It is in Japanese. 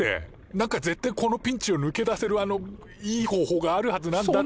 なんか絶対このピンチをぬけ出せるあのいい方法があるはずなんだって。